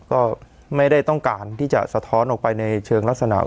ก็ไม่ได้ต้องการที่จะสะท้อนออกไปในเชิงลักษณะ